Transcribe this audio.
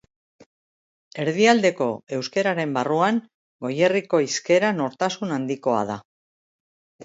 Erdialdeko euskararen barruan, Goierriko hizkera nortasun handikoa da.